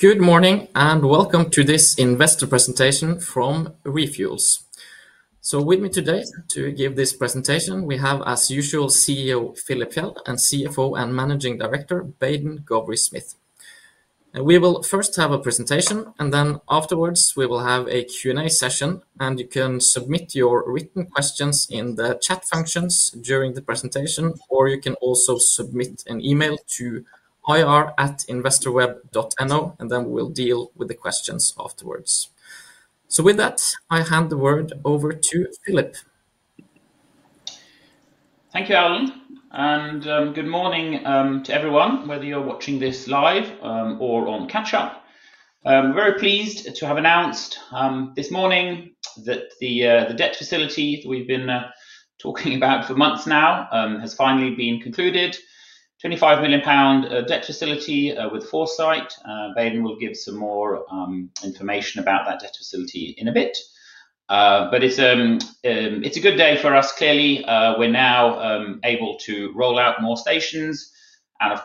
Good morning and welcome to this investor presentation from ReFuels. With me today to give this presentation we have, as usual, CEO Philip Fjeld and CFO and Managing Director Baden Gowrie-Smith. We will first have a presentation and then afterwards we will have a Q&A session. You can submit your written questions in the chat functions during the presentation or you can also submit an email to ir@investorweb.no and then we'll deal with the questions afterwards. With that, I hand the word over to Philip. Thank you, Alan. Good morning to everyone, whether you're watching this live or on catch up. Very pleased to have announced this morning that the debt facility we've been talking about for months now has finally been concluded. 25 million pound debt facility with Foresight. Baden will give some more information about that debt facility in a bit, but it's a good day for us. Clearly, we're now able to roll out more stations, and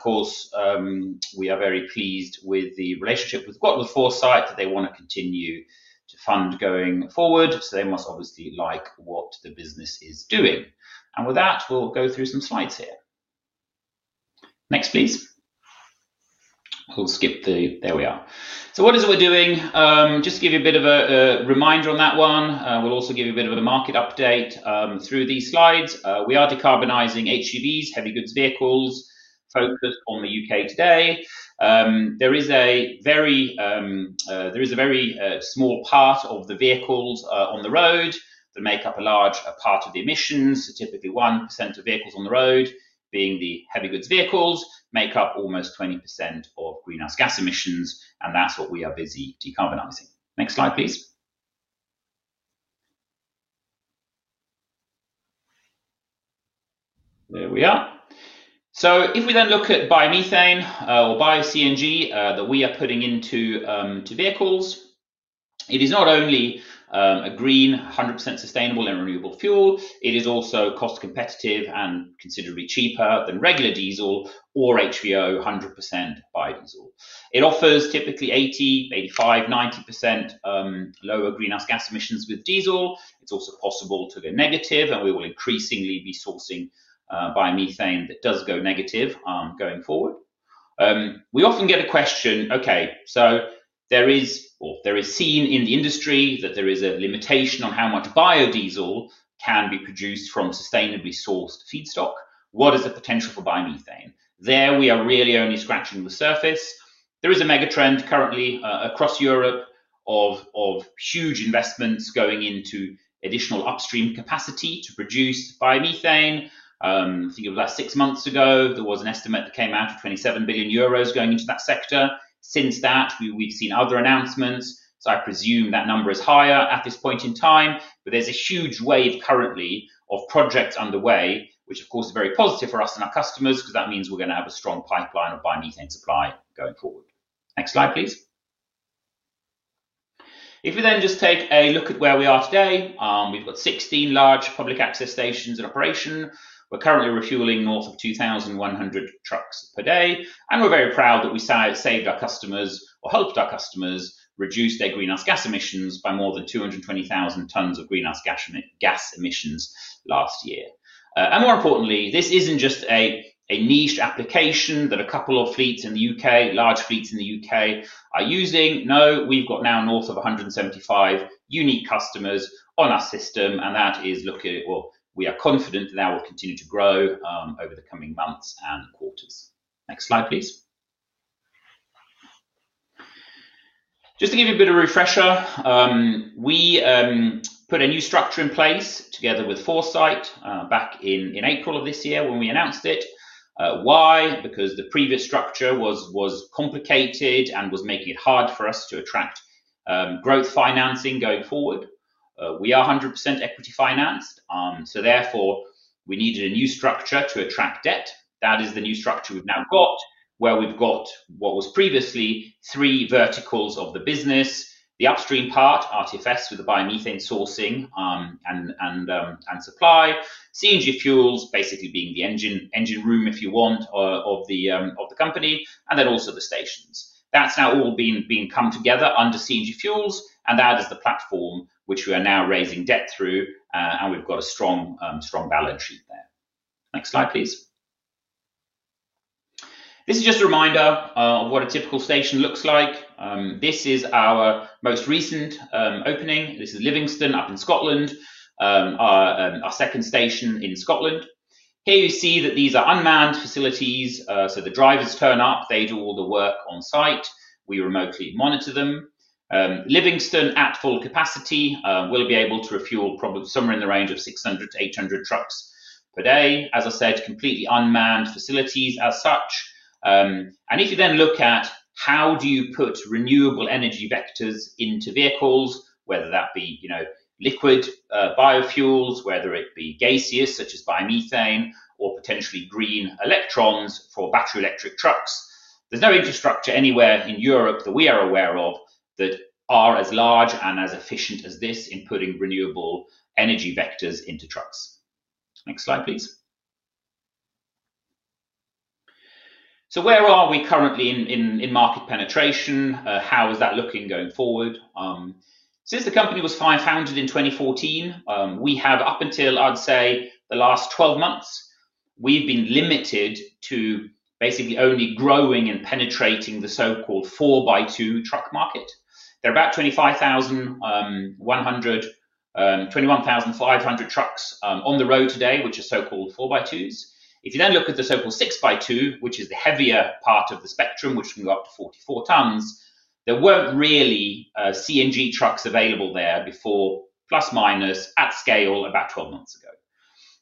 we are very pleased with the relationship we've got with Foresight that they want to continue to fund going forward. They must obviously like what the business is doing. With that, we'll go through some slides here. Next, please. We'll skip the—there we are. What is it we're doing? Just to give you a bit of a reminder on that one. We'll also give you a bit of a market update through these slides. We are decarbonizing HGVs, heavy goods vehicles, focused on the U.K. today. There is a very small part of the vehicles on the road that make up a large part of the emissions. Typically, 1% of vehicles on the road being the heavy goods vehicles make up almost 20% of greenhouse gas emissions. That's what we are busy decarbonizing. Next slide, please. There we are. If we then look at biomethane or Bio-CNG that we are putting into vehicles, it is not only a green, 100% sustainable and renewable fuel, it is also cost competitive and considerably cheaper than regular diesel or HVO, 100% biodiesel. It offers typically 80%, 85%, 90% lower greenhouse gas emissions. With diesel, it's also possible to go negative, and we will increasingly be sourcing biomethane that does go negative. Going forward, we often get a question, okay, so there is or there is seen in the industry that there is a limitation on how much biodiesel can be produced from sustainably sourced feedstock. What is the potential for biomethane there? We are really only scratching the surface. There is a megatrend currently across Europe of huge investments going into additional upstream capacity to produce biomethane. I think it was six months ago there was an estimate that came out of 27 billion euros going into that sector. Since that, we've seen other announcements, so I presume that number is higher at this point in time. There is a huge wave currently of projects underway, which is very positive for us and our customers because that means we're going to have a strong pipeline of biomethane supply going forward. Next slide, please. If we then just take a look at where we are today. We've got 16 large public access stations in operation. We're currently refueling north of 2,100 trucks per day. We're very proud that we saved our customers or helped our customers reduce their greenhouse gas emissions by more than 220,000 tons of greenhouse gas emissions last year. More importantly, this isn't just a niche application that a couple of fleets in the U.K., large fleets in the U.K. are using. We've got now north of 175 unique customers on our system and that is looking well. We are confident that that will continue to grow over the coming months and quarters. Next slide, please. Just to give you a bit of refresher, we put a new structure in place together with Foresight back in April of this year when we announced it. Why? Because the previous structure was complicated and was making it hard for us to attract growth financing going forward. We are 100% equity financed so therefore we needed a new structure to attract debt. That is the new structure we've now got where we've got what was previously three verticals of the business, the upstream part, RTFCs with the biomethane sourcing and supply, CNG Fuels basically being the engine room, if you want, of the company and then also the stations. That's now all being come together under CNG Fuels and that is the platform where, which we are now raising debt through. We've got a strong balance sheet there. Next slide, please. This is just a reminder of what a typical station looks like. This is our most recent opening. This is Livingston up in Scotland, our second station in Scotland. Here you see that these are unmanned facilities. The drivers turn up, they do all the work on site, we remotely monitor them. Livingston at full capacity will be able to refuel probably somewhere in the range of 600 trucks-800 trucks per day. As I said, completely unmanned facilities as such. If you then look at how do you put renewable energy vectors into vehicles, whether that be, you know, liquid biofuels, whether it be gaseous, such as biomethane or potentially green electrons for battery electric trucks, there's no infrastructure anywhere in Europe that we are aware of that are as large and as efficient as this in putting renewable energy vectors into trucks. Next slide, please. Where are we currently in market penetration? How is that looking going forward? Since the company was founded in 2014, we have, up until, I'd say the last 12 months, been limited to basically only growing and penetrating the so-called 4x2 truck market. There are about 25,000 trucks, 121,500 trucks on the road today which are so-called 4x2s. If you then look at the so-called 6x2, which is the heavier part of the spectrum, which can go up to 44 tons, there weren't really CNG trucks available there before, plus, minus at scale about 12 months ago.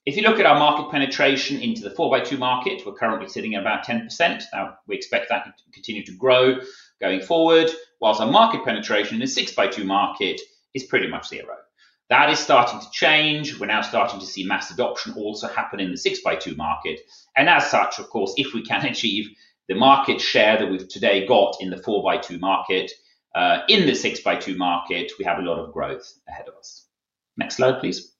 If you look at our market penetration into the 4x2 market, we're currently sitting at about 10% now. We expect that to continue to grow going forward. Whilst our market penetration in a 6x2 market is pretty much zero, that is starting to change. We're now starting to see mass adoption also happen in the 6x2 market. If we can achieve the market share that we've today got in the 4x2 market, in the 6x2 market, we have a lot of growth ahead of us. Next slide, please.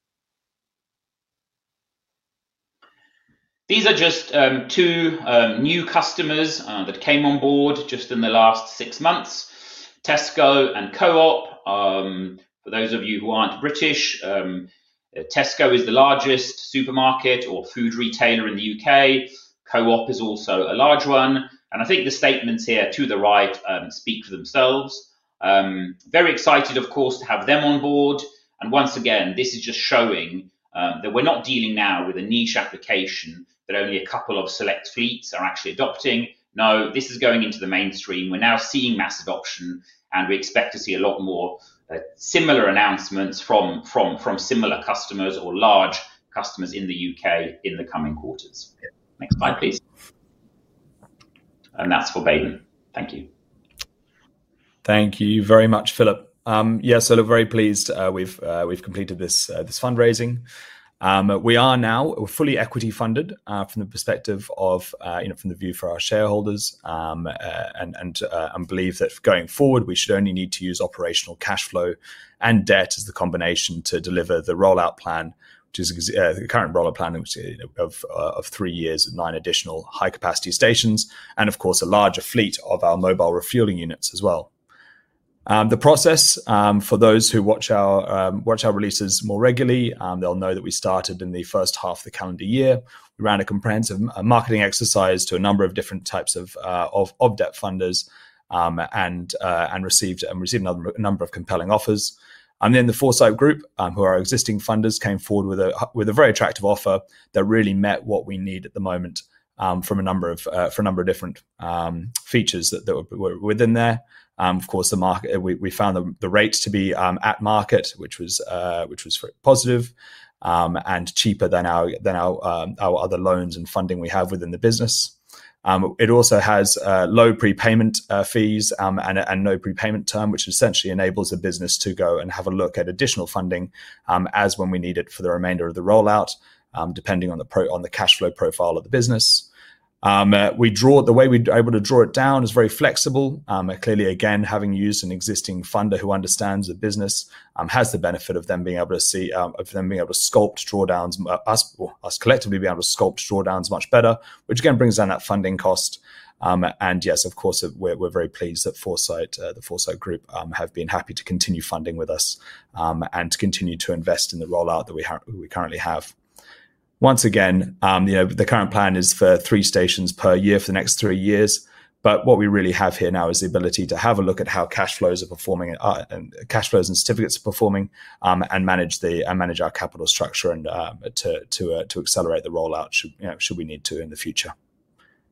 These are just two new customers that came on board just in the last six months: Tesco and Co-op. For those of you who aren't British, Tesco is the largest supermarket or food retailer in the U.K. Co-op is also a large one and I think the statements here to the right speak for themselves. Very excited, of course, to have them on board. Once again, this is just showing that we're not dealing now with a niche application that only a couple of select fleets are actually adopting. No, this is going into the mainstream. We're now seeing mass adoption and we expect to see a lot more similar announcements from similar customers or large customers in the U.K. in the coming quarters. Next slide, please. That's for Baden. Thank you. Thank you very much, Philip. Yes, I look very pleased. We've completed this fundraising. We are now fully equity funded from the perspective of, from the view for our shareholders and believe that going forward we should only need to use operational cash flow and debt as the combination to deliver the rollout plan, which is the current rollout plan of three years, nine additional high capacity stations and of course a larger fleet of our mobile refueling units as well. For those who watch our releases more regularly, they'll know that we started in the first half of the calendar year. We ran a comprehensive marketing exercise to a number of different types of debt funders and received a number of compelling offers. The Foresight Group, who are existing funders, came forward with a very attractive offer that really met what we need at the moment for a number of different features that were within there. We found the rates to be at market, which was positive and cheaper than our other loans and funding we have within the business. It also has low prepayment fees and no prepayment term, which essentially enables a business to go and have a look at additional funding as and when we need it for the remainder of the rollout. Depending on the cash flow profile of the business, the way we are able to draw it down is very flexible. Clearly, having used an existing funder who understands the business has the benefit of them being able to see, of them being able to sculpt drawdowns, us collectively being able to sculpt drawdowns much better, which again brings down that funding cost. Yes, of course we're very pleased that the Foresight Group have been happy to continue funding with us and to continue to invest in the rollout that we currently have. Once again, the current plan is for three stations per year for the next three years. What we really have here now is the ability to have a look at how cash flows and certificates are performing and manage our capital structure to accelerate the rollout should we need to in the future.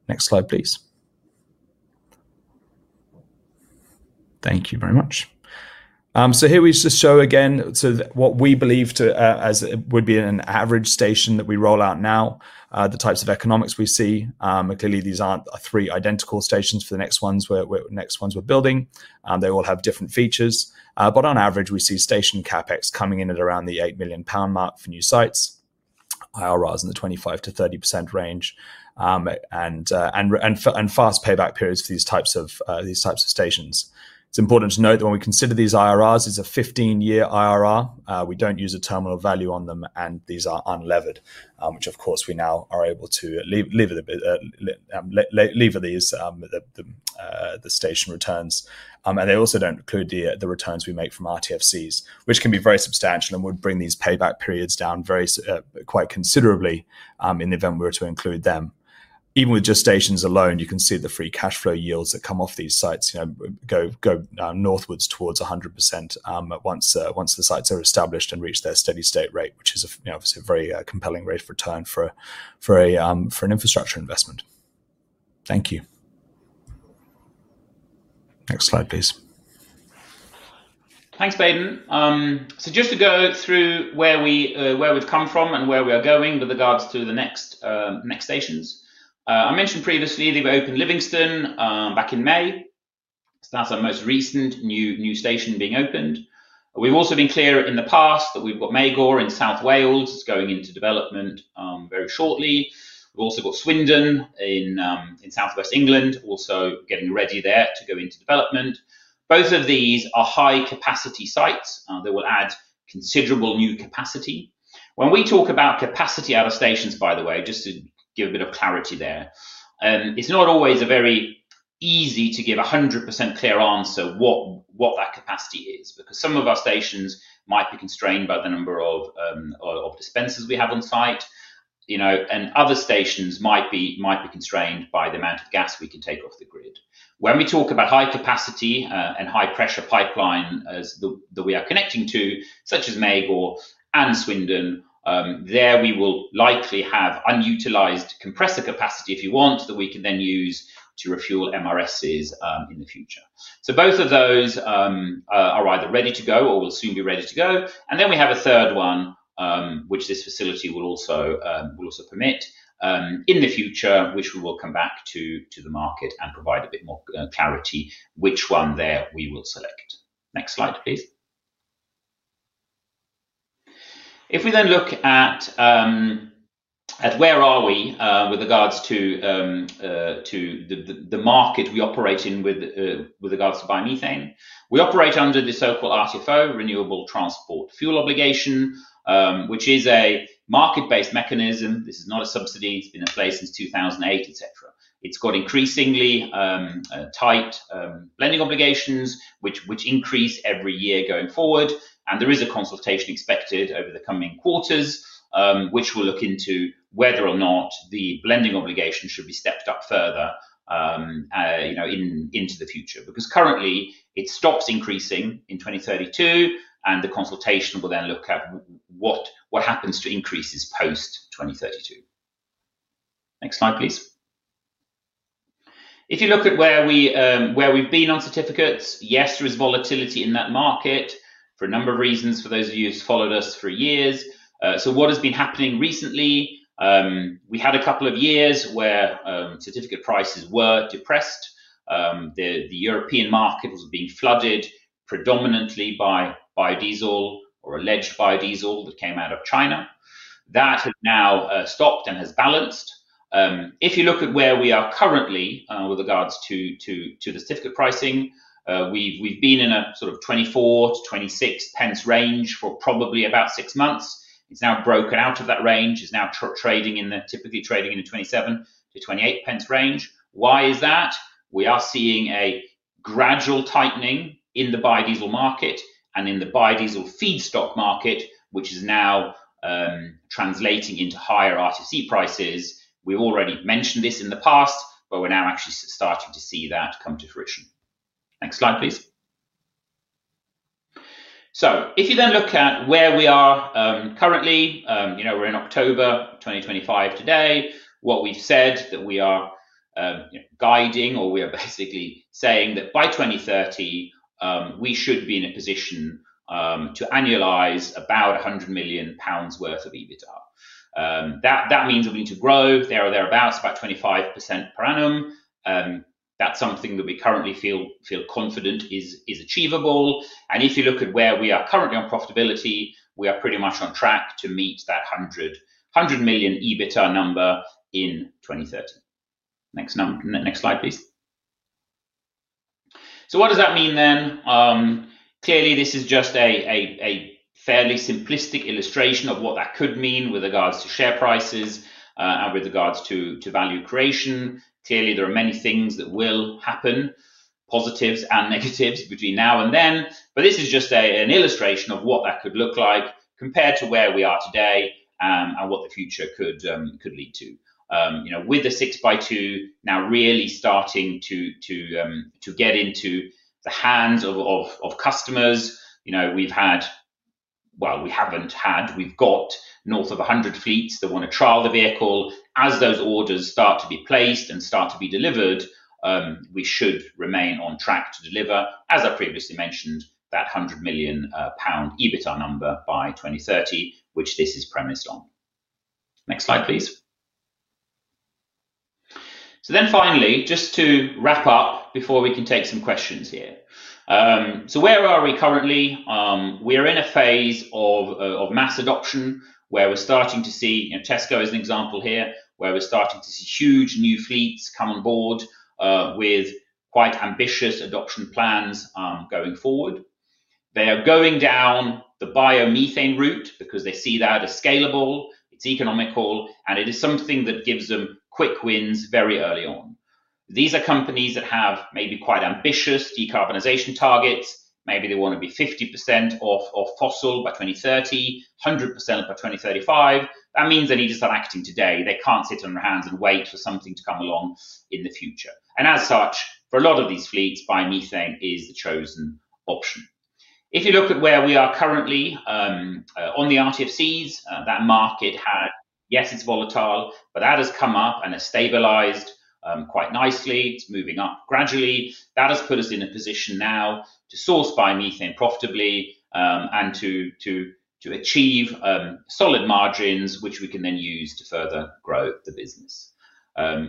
Next slide please. Thank you very much. Here we just show again what we believe would be an average station that we roll out, the types of economics we see. Clearly these aren't three identical stations for the next ones we're building. They all have different features, but on average we see station CapEx coming in at around the 8 million pound mark for new sites, IRRs in the 25%-30% range, and fast payback periods for these types of stations. It's important to note that when we consider these IRRs, it's a 15-year IRR. We don't use a terminal value on them, and these are unlevered, which of course we now are able to lever the station returns. They also don't include the returns we make from RTFCs, which can be very substantial and would bring these payback periods down quite considerably. In the event we were to include them, even with just stations alone, you can see the free cash flow yields that come off these sites go northwards towards 100% once the sites are established and reach their steady state rate, which is obviously a very compelling rate of return for an infrastructure investment. Thank you. Next slide please. Thanks, Baden. Just to go through where we've come from and where we are going with regards to the next stations, I mentioned previously that we opened Livingston back in May. That's our most recent new station being opened. We've also been clear in the past that we've got Magor in South Wales going into development very shortly. We've also got Swindon in southwest England also getting ready there to go into development. Both of these are high capacity sites that will add considerable new capacity. When we talk about capacity out of stations, by the way, just to give a bit of clarity there, it's not always very easy to give 100% clear answer what that capacity is because some of our stations might be constrained by the number of dispensers we have on site and other stations might be constrained by the amount of gas we can take off the grid. When we talk about high capacity and high pressure pipeline that we are connecting to, such as Magor and Swindon, there we will likely have unutilized compressor capacity, if you want, that we can then use to refuel more in the future. Both of those are either ready to go or will soon be ready to go. We have a third one which this facility will also permit in the future, which we will come back to the market and provide a bit more clarity. Which one there we will select. Next slide please. If we then look at where we are with regards to the market we operate in. With regards to biomethane, we operate under the so-called RTFO Renewable Transport Fuel Obligation, which is a market-based mechanism. This is not a subsidy. It's been in place since 2008. It's got increasingly tight blending obligations which increase every year going forward. There is a consultation expected over the coming quarters which will look into whether or not the blending obligations should be stepped up further into the future. Currently it stops increasing in 2032 and the consultation will then look at what happens to increases post 2032. Next slide please. If you look at where we've been on certificates, yes, there is volatility in that market for a number of reasons. For those of you who've followed us for years, what has been happening recently, we had a couple of years where certificate prices were depressed. The European market was being flooded predominantly by biodiesel, or alleged biodiesel that came out of China that now stopped and has balanced. If you look at where we are currently with regards to the certificate pricing, we've been in a sort of 0.24-0.26 range for probably about six months. It's now broken out of that range, is now trading in the, typically trading in the 0.27-0.28 range. Why is that? We are seeing a gradual tightening in the biodiesel market and in the biodiesel feedstock market, which is now translating into higher RTFC prices. We already mentioned this in the past, but we're now actually starting to see that come to fruition. Next slide, please. If you then look at where we are currently, you know, we're in October 2025 today, what we've said that we are guiding, or we are basically saying that by 2030 we should be in a position to annualize about 100 million pounds worth of EBITDA. That means we need to grow there or thereabouts about 25% per annum. That's something that we currently feel confident is achievable. If you look at where we are currently on profitability, we are pretty much on track to meet that 100 million EBITDA number in 2030. Next slide, please. What does that mean then? Clearly this is just a fairly simplistic illustration of what that could mean with regards to share prices, with regards to value creation. Clearly there are many things that will happen, positives and negatives between now and then, but this is just an illustration of what that could look like compared to where we are today and what the future could lead to. You know, with the 6x2 HGV now really starting to get into the hands of customers. We've got north of 100 fleets that want to trial the vehicle. As those orders start to be placed and start to be delivered, we should remain on track to deliver, as I previously mentioned, that 100 million pound EBITDA number by 2030, which this is premised on. Next slide, please. Finally, just to wrap up before we can take some questions here, where are we currently? We are in a phase of mass adoption where we're starting to see Tesco as an example here, where we're starting to see huge new fleets come on board with quite ambitious adoption plans going forward. They are going down the biomethane route because they see that as scalable, it's economical and it is something that gives them quick wins very early on. These are companies that have maybe quite ambitious decarbonization targets. Maybe they want to be 50% off fossil by 2030, 100% by 2035. That means they need to start acting today. They can't sit on their hands and wait for something to come along in the future. As such, for a lot of these fleets, biomethane is the chosen option. If you look at where we are currently on the RTFCs, that market had, yes, it's volatile, but that has come up and has stabilized quite nicely. It's moving up gradually. That has put us in a position now to source biomethane profitably and to achieve solid margins, which we can then use to further grow the business.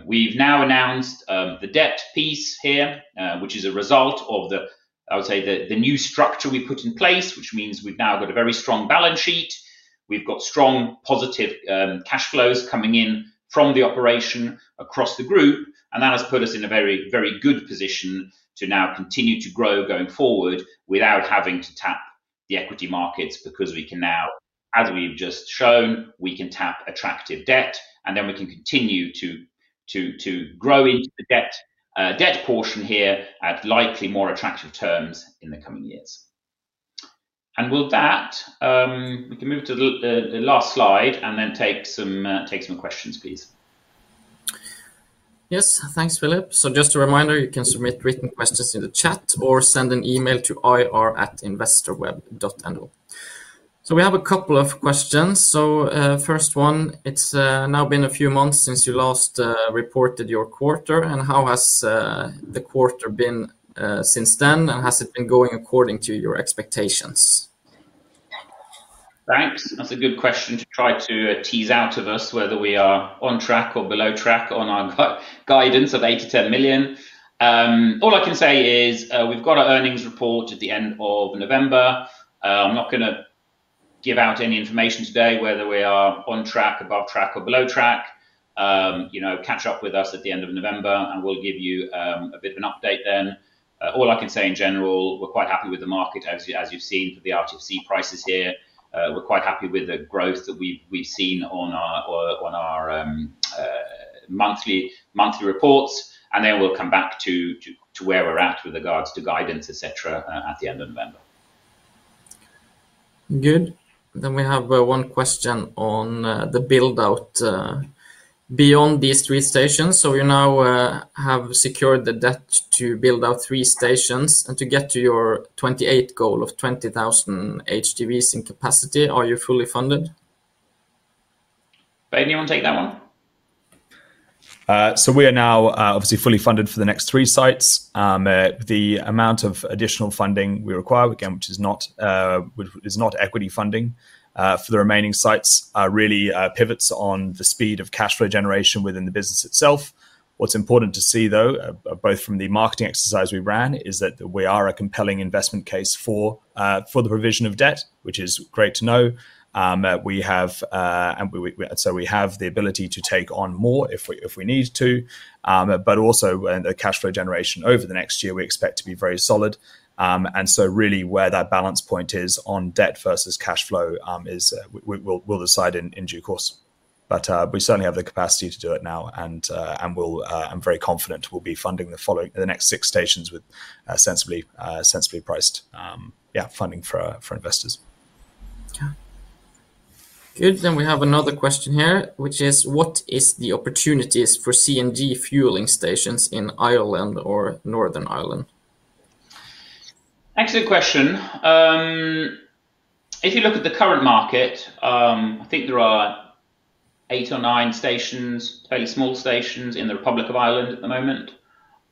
We've now announced the debt piece here, which is a result of the, I would say, the new structure we put in place, which means we've now got a very strong balance sheet. We've got strong positive cash flows coming in from the operation across the group, and that has put us in a very, very good position to now continue to grow going forward without having to tap the equity markets because we can now, as we've just shown, we can tap attractive debt, and then we can continue to grow into the debt portion here at likely more attractive terms in the coming years. With that, we can move to the last slide and then take some questions, please. Yes, thanks Philip. Just a reminder, you can submit written questions in the chat or send an email to ir@investorweb.no. We have a couple of questions. The first one, it's now been a few months since you last reported your quarter. How has the quarter been since then, and has it been going according to your expectations? Thanks. That's a good question to try to tease out of us whether we are on track or below track on our guidance of 8 million-10 million. All I can say is we've got our earnings report at the end of November. I'm not going to give out any information today whether we are on track, above track, or below track. You know, catch up with us at the end of November and we'll give you a bit of an update then. All I can say in general, we're quite happy with the market as you've seen for the RTFC prices here. We're quite happy with the growth that we've seen on our monthly reports, and we'll come back to where we're at with regards to guidance, etc., at the end of November. Good. We have one question on the build out beyond these three stations. You now have secured the debt to build out three stations and to get to your 28 goal of 20,000 HDVs in capacity. Are you fully funded? Anyone take that one? We are now obviously fully funded for the next three sites. The amount of additional funding we require, which is not equity funding for the remaining sites, really pivots on the speed of cash flow generation within the business itself. What's important to see, both from the marketing exercise we ran, is that we are a compelling investment case for the provision of debt, which is great to know. We have the ability to take on more if we need to. Also, the cash flow generation over the next year we expect to be very solid. Where that balance point is on debt versus cash flow we will decide in due course, but we certainly have the capacity to do it now and I'm very confident we'll be funding the next six stations with sensibly priced funding for investors. Good. We have another question here, which is what is the opportunities for CNG fueling stations in Ireland or Northern Ireland? Excellent question. If you look at the current market, I think there are eight or nine stations, fairly small stations in the Republic of Ireland at the moment.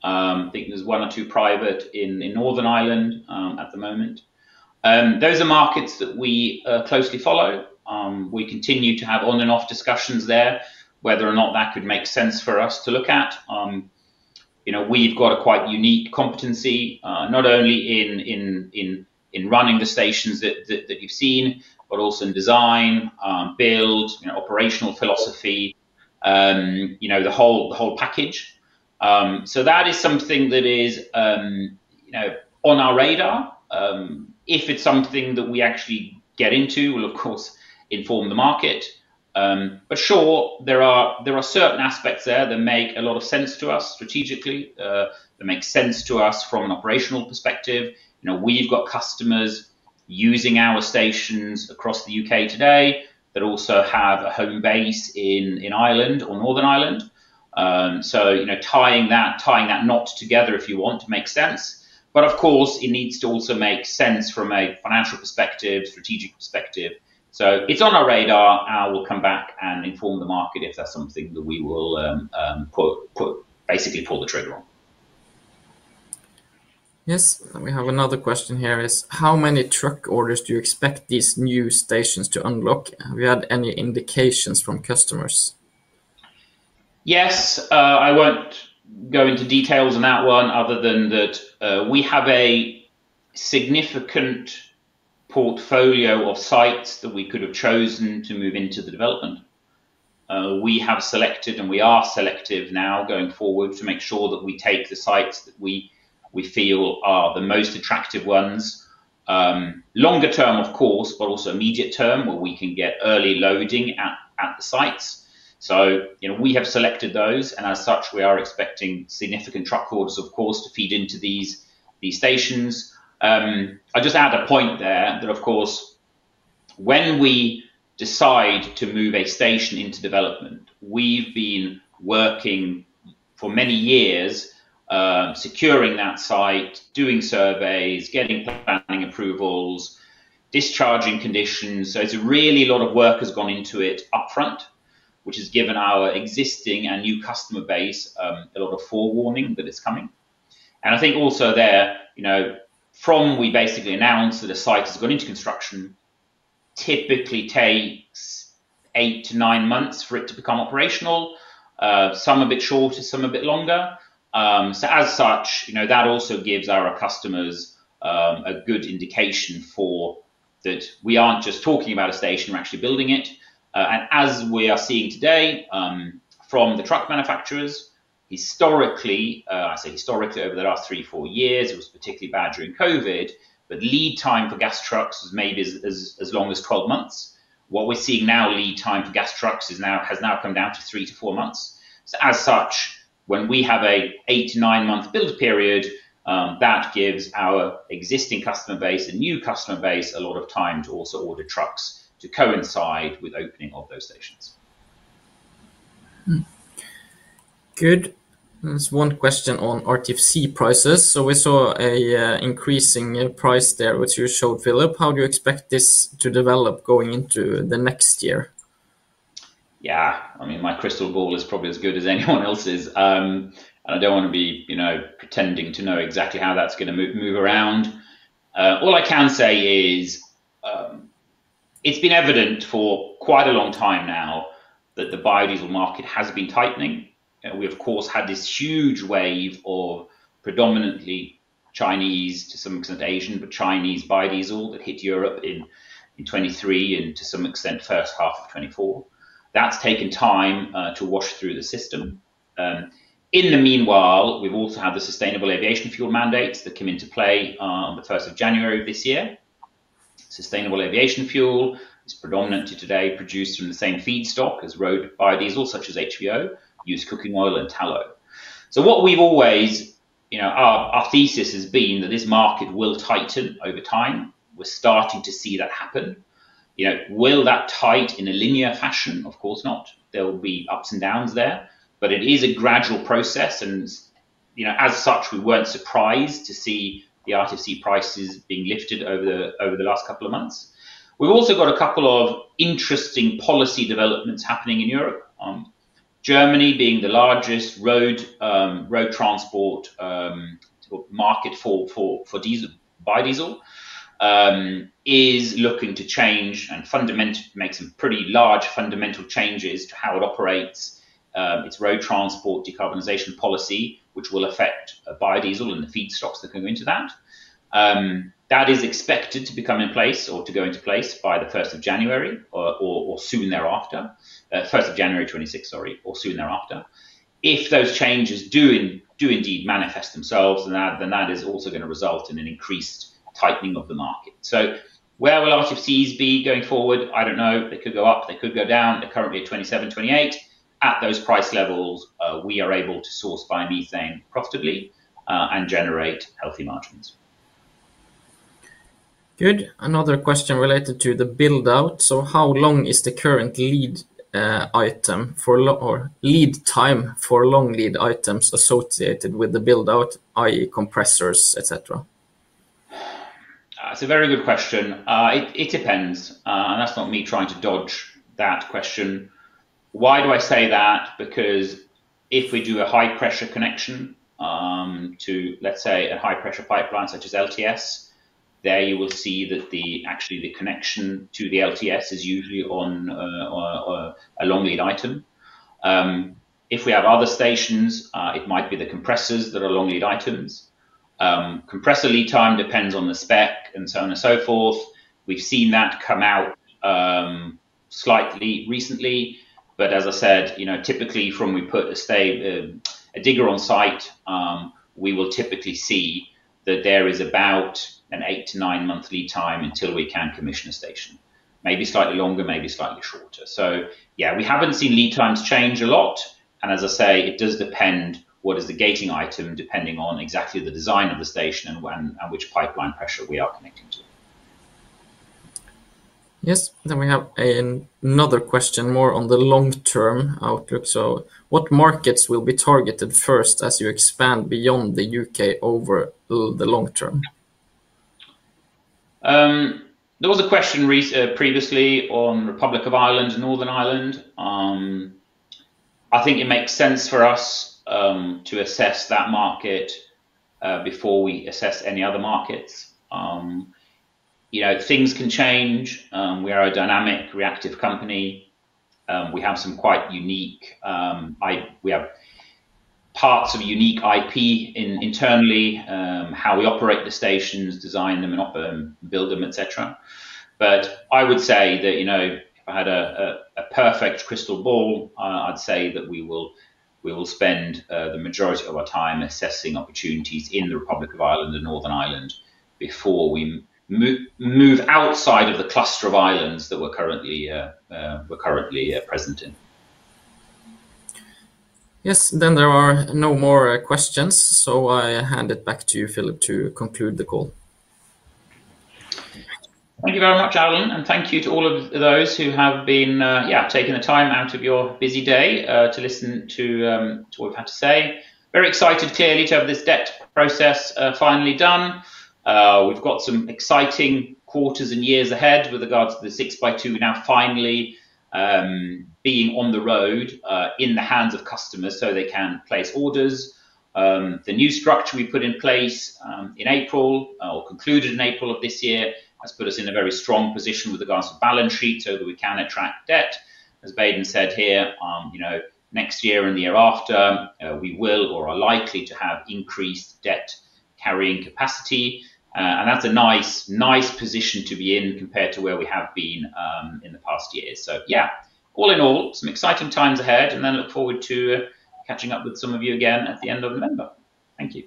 I think there's one or two private in Northern Ireland at the moment. Those are markets that we closely follow. We continue to have on and off discussions there whether or not that could make sense for us to look at. We've got a quite unique competency, not only in running the stations that you've seen, but also in design, build, operational philosophy, the whole package. That is something that is on our radar. If it's something that we actually get into, we will of course inform the market. There are certain aspects there that make a lot of sense to us strategically and that make sense to us from an operational perspective. We've got customers using our stations across the U.K. today that also have a home base in Ireland or Northern Ireland. Tying that knot together, if you want, makes sense, but of course it needs to also make sense from a financial perspective and strategic perspective. It's on our radar. I will come back and inform the market if that's something that we will basically pull the trigger on. Yes, we have another question here. How many truck orders do you expect these new stations to unlock? Have you had any indications from customers? Yes, I won't go into details on that one. Other than that, we have a significant portfolio of sites that we could have chosen to move into the development. We have selected and we are selective now going forward to make sure that we take the sites that we feel are the most attractive ones, longer term of course, but also immediate term where we can get early loading at the sites. We have selected those and as such we are expecting significant truck orders of course to feed into these stations. I'll just add a point there that when we decide to move a station into development, we've been working for many years securing that site, doing surveys, getting planning approvals, discharging conditions. It's really a lot of work has gone into it upfront which has given our existing and new customer base a lot of forewarning that is coming. I think also there, you know, we basically announced that a site has gone into construction, typically takes eight to nine months for it to become operational, some a bit shorter, some a bit longer. That also gives our customers a good indication for that. We aren't just talking about a station, we're actually building it. As we are seeing today from the truck manufacturers, historically, I say historically over the last three, four years it was particularly bad during COVID but lead time for gas trucks was maybe as long as 12 months. What we're seeing now, lead time for gas trucks has now come down to three to four months. When we have a eight to nine month build period, that gives our existing customer base, a new customer base, a lot of time to also order trucks to coincide with opening of those stations. Good. There's one question on RTFC prices. We saw an increasing price there, which you showed, Philip. How do you expect this to develop going into the next year? Yeah, I mean my crystal ball is probably as good as anyone else's and I don't want to be pretending to know exactly how that's going to move around. All I can say is it's been evident for quite a long time now that the biodiesel market has been tightening. We of course had this huge wave of predominantly Chinese, to some extent Asian, but Chinese biodiesel that hit Europe in 2023 and to some extent first half of 2024 that's taken time to wash through the system. In the meanwhile we've also had the sustainable aviation fuel mandates that come into play on the 1st of January of this year. Sustainable aviation fuel is predominant to today produced from the same feedstock as road biodiesel such as HVO, used cooking oil, and tallow. What we've always, you know, our thesis has been that this market will tighten over time. We're starting to see that happen. You know, will that tighten in a linear fashion? Of course not. There will be ups and downs there, but it is a gradual process and, you know, as such we weren't surprised to see the RTFC prices being lifted over the last couple of months. We've also got a couple of interesting policy developments happening in Europe. Germany, being the largest road transport market for diesel biodiesel, is looking to change and fundamentally make some pretty large fundamental changes to how it operates its road transport decarbonizing policy which will affect biodiesel and the feedstocks that go into that. That is expected to become in place or to go into place by the 1st of January or soon thereafter. 1st of January 2026, sorry, or soon thereafter if those changes do in place do indeed manifest themselves and that then that is also going to result in an increased tightening of the market. Where will RTFCs be going forward? I don't know, they could go up, they could go down. They're currently at 27-28. At those price levels we are able to source biomethane profitably and generate healthy margins. Good. Another question related to the build out. How long is the current lead time for long lead items associated with the build out, i.e., compressors, etc.? It's a very good question. It depends and that's not me trying to dodge that question. Why do I say that? Because if we do a high pressure connection to, let's say, a high pressure pipeline such as LTS, there you will see that actually the connection to the LTS is usually a long lead item. If we have other stations, it might be the compressors that are long lead items. Compressor lead time depends on the spec and so on and so forth. We've seen that come out slightly recently, but as I said, typically when we put a digger on site, we will typically see that there is about an eigth to nine month lead time until we can commission a station. Maybe slightly longer, maybe slightly shorter. We haven't seen lead times change a lot. As I say, it does depend what is the gating item depending on exactly the design of the station and which pipeline pressure we are connecting to. Yes. We have another question, more on the long term outlook. What markets will be targeted first as you expand beyond the U.K. over the long term? There was a question previously on Republic of Ireland, Northern Ireland. I think it makes sense for us to assess that market before we assess any other markets. Things can change. We are a dynamic, reactive company. We have parts of unique IP internally, how we operate the stations, design them and operate them, build them, etc. I would say that if I had a perfect crystal ball, I'd say that we will spend the majority of our time assessing opportunities in the Republic of Ireland and Northern Ireland before we move outside of the cluster of islands that we're currently present in. Yes, there are no more questions. I hand it back to you, Philip, to conclude the call. Thank you very much, Alan, and thank you to all of those who have been taking the time out of your busy day to listen to what we've had to say. Very excited clearly to have this debt process finally done. We've got some exciting quarters and years ahead with regards to the 6x2 now finally being on the road in the hands of customers so they can place orders. The new structure we put in place in April or concluded in April of this year has put us in a very strong position with regards to balance sheet so that we can attract debt, as Baden said here next year and the year after we will or are likely to have increased debt carrying capacity and that's a nice position to be in compared to where we have been in the past year. All in all, some exciting times ahead and look forward to catching up with some of you again at the end of November. Thank you.